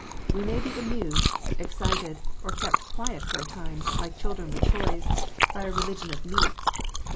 We may be amused, excited, or kept quiet for a time, like children with toys, by a religion of "meats."